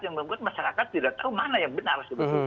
yang membuat masyarakat tidak tahu mana yang benar